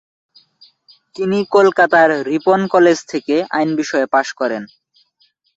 তিনি কলকাতার Ripon College থেকে আইন বিষয়ে পাশ করেন।